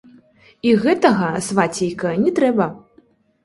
І гэтага, свацейка, не трэба.